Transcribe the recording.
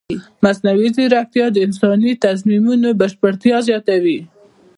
مصنوعي ځیرکتیا د انساني تصمیمونو بشپړتیا زیاتوي.